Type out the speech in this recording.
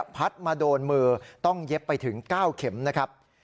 พัดมาโดนมือต้องเย็บไปถึง๙เข็มนะครับ